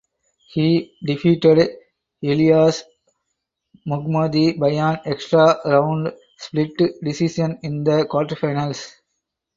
He defeated Elias Mahmoudi by an extra round split decision in the quarterfinals.